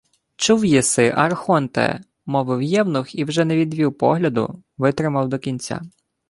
— Чув єси, архонте, — мовив євнух і вже не відвів погляду, витримав до кінця.